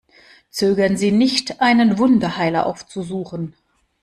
Zögern Sie nicht, einen Wunderheiler aufzusuchen!